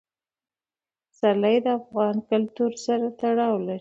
پسرلی د افغان کلتور سره تړاو لري.